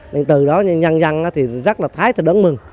nên từ đó nhăn nhăn thì rất là thái rất là đớn mừng